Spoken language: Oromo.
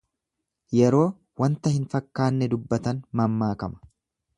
Yeroo wanta hin fakkaanne dubbatan mammaakama.